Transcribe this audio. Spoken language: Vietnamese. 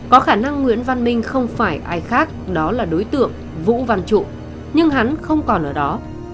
có khả năng nguyễn văn minh không phải ai khác đó là đối tượng vũ văn trụ nhưng hắn không còn ở đó